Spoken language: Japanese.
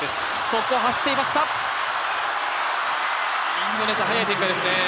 インドネシア速い展開ですね。